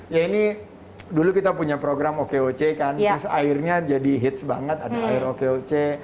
ya ini dulu kita punya program okoc kan terus airnya jadi hits banget ada air okoc